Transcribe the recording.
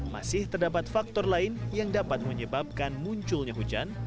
masih terdapat faktor lain yang dapat menyebabkan munculnya hujan